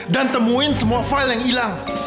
dan temuin semua file yang hilang